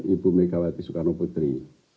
ibu megawati soekarnoputri